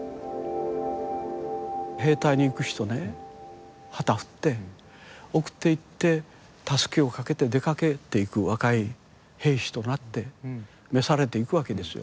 兵隊に行く人ね旗振って送っていってたすきを掛けて出かけていく若い兵士となって召されていくわけですよ。